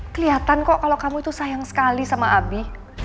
kelihatan kok kalau kamu itu sayang sekali sama abi